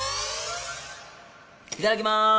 いただきまーす！